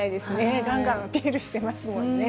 がんがんアピールしてますもんね。